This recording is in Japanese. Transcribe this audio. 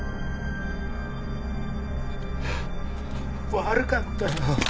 悪かったよ。